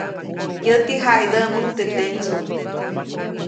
Yäti jaʼidäʼmuŋ teʼ tendsuŋ.